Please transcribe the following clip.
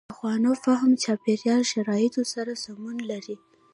پخوانو فهم چاپېریال شرایطو سره سمون لري.